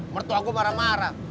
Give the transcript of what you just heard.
mertua gue marah marah